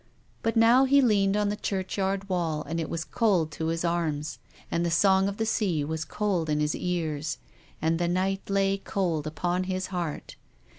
But now he leaned on the churchyard wall and it was cold to his arms. And the song of the sea was cold in his ears. And the night lay cold upon his heart.